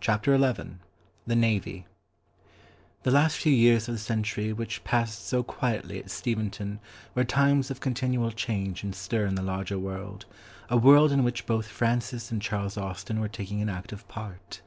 CHAPTER XI THE NAVY The last few years of the century which passed so quietly at Steventon were times of continual change and stir in the larger world, a world in which both Francis and Charles Austen were taking an active part.